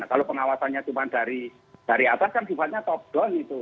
kalau pengawasannya cuma dari atas kan sifatnya top down itu